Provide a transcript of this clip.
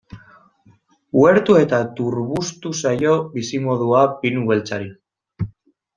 Uhertu eta turbustu zaio bizimodua pinu beltzari.